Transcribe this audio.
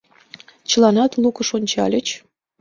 Чыланат лукыш ончальыч.